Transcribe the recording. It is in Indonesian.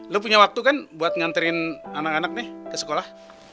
lo punya waktu kan buat nganterin anak anak nih ke sekolah